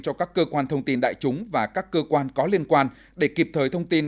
cho các cơ quan thông tin đại chúng và các cơ quan có liên quan để kịp thời thông tin